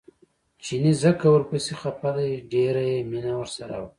چیني ځکه ورپسې خپه دی ډېره یې مینه ورسره وه.